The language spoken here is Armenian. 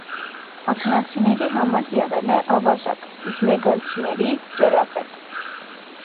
Աթենացիների համար եղել է՝ ավազակ, իսկ մեգարցիների՝ զորապետ։